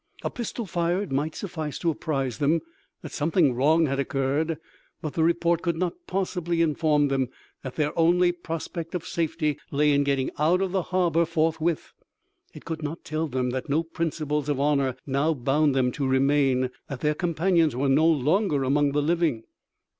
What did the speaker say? A pistol fired might suffice to apprise them that something wrong had occurred; but the report could not possibly inform them that their only prospect of safety lay in getting out of the harbour forthwith—it could not tell them that no principles of honour now bound them to remain, that their companions were no longer among the living.